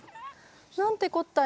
なんてこったい。